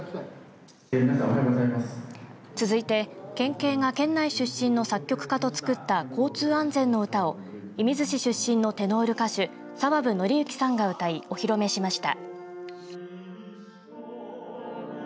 続いて、県警が県内出身の作曲家と作った交通安全の歌を射水市出身のテノール歌手澤武紀行さんが歌いお披露目しました。